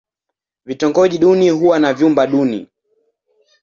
Vitongoji duni huwa na vyumba duni.